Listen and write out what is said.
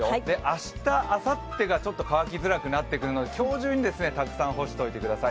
明日、あさってが乾きづらくなってくるので今日中にたくさん干しておいてください。